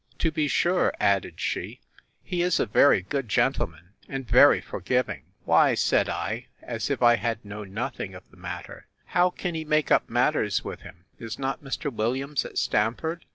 To be sure, added she, he is a very good gentleman, and very forgiving!—Why, said I, as if I had known nothing of the matter, how can he make up matters with him? Is not Mr. Williams at Stamford?